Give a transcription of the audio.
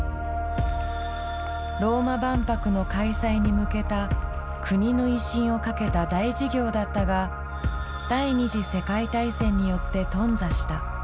ローマ万博の開催に向けた国の威信をかけた大事業だったが第２次世界大戦によって頓挫した。